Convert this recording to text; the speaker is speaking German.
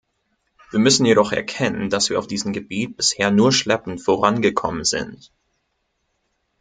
Wir müssen jedoch erkennen, dass wir auf diesem Gebiet bisher nur schleppend vorangekommen sind.